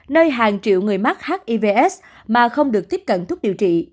nơi hàng triệu người mắc hivs mà không được tiếp cận thuốc điều trị